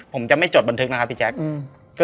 ผมจะไม่จดบันทึกนะครับพี่แจ๊ค